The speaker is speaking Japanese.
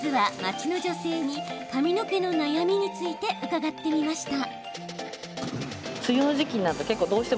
まずは街の女性に髪の毛の悩みについて伺ってみました。